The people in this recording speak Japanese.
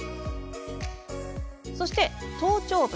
そして、頭頂部。